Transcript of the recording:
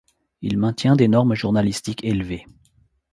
Il maintient des normes journalistiques élevées.